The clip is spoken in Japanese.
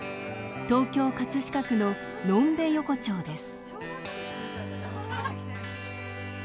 東京・葛飾区の呑んべ横丁です